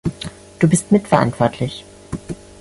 Du bist mitverantwortlich!